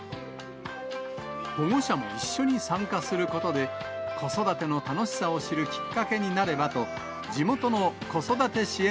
保護者も一緒に参加することで、子育ての楽しさを知るきっかけになればと、地元の子育て支援